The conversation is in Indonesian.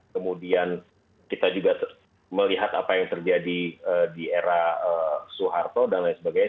kemudian kita juga melihat apa yang terjadi di era soeharto dan lain sebagainya